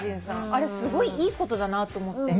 あれすごいいいことだなと思って。